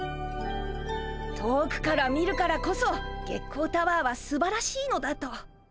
遠くから見るからこそ月光タワーはすばらしいのだと。